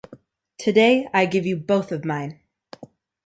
Today, I give you both of mine.